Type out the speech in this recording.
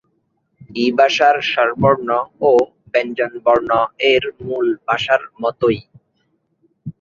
ই ভাষার স্বরবর্ণ ও ব্যঞ্জনবর্ণ এর মূল ভাষার মতই।